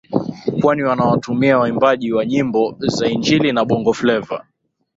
kwani wanawatumia waimbaji wa nyimbo za injili na bongo fleva